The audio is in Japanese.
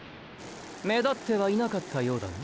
目立ってはいなかったようだが？